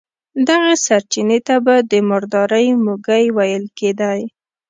دغې سرچينې ته به د مردارۍ موږی ويل کېدی.